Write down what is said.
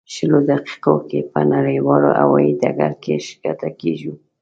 شلو دقیقو کې به نړیوال هوایي ډګر ته ښکته کېږو.